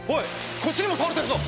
こっちにも倒れてるぞ。